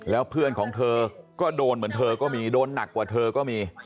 แล้วเพื่อนของเธอก็โดนเหมือนเธอก็มีโดนหนักกว่าเธอก็มี